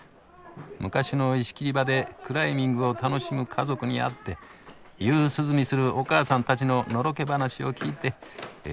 昔の石切り場でクライミングを楽しむ家族に会って夕涼みするおかあさんたちののろけ話を聞いてえ